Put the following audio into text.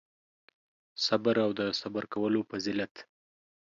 صبر او د صبر کولو فضیلت